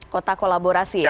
kota kolaborasi ya